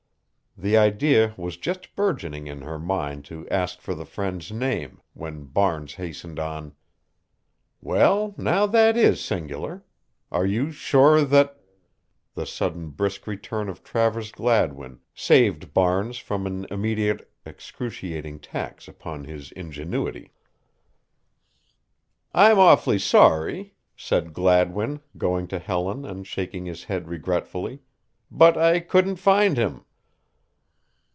The idea was just burgeoning in her mind to ask for the friend's name when Barnes hastened on: "Well, now that is singular. Are you sure that" The sudden brisk return of Travers Gladwin saved Barnes from an immediate excruciating tax upon his ingenuity. "I'm awfully sorry," said Gladwin, going to Helen and shaking his head regretfully, "but I couldn't find him."